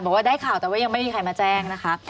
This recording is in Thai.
บอกว่าได้ข่าวแต่ว่ายังไม่มีใครมาแจ้งนะคะ